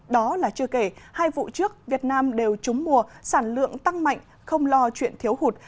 đó là chưa kể hai vụ trước việt nam đều trúng mùa sản lượng tăng mạnh không lo chuyện thiếu hụt